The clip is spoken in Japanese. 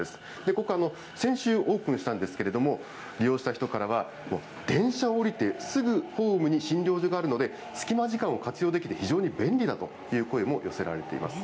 ここ、先週オープンしたんですけど、利用した人からは、電車を降りてすぐホームに診療所があるので、隙間時間を活用できて非常に便利だという声も寄せられています。